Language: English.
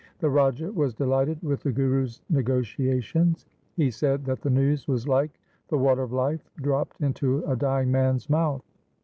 The Raja was delighted with the Guru's negotiations. He said that the news was like the water of life dropped into a dying man's mouth.